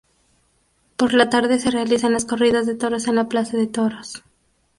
Por la tarde, se realizan las corridas de toros en la Plaza de Toros.